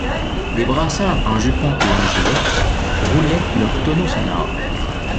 Des brasseurs en jupon et en gilet roulaient leurs tonneaux sonores.